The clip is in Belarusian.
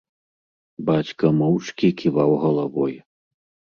Бацька моўчкі ківаў галавой.